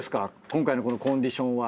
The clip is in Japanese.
今回のこのコンディションは。